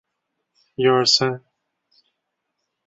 特拉西莱蒙。